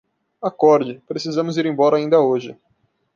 Acorde, precisamos ir embora ainda hoje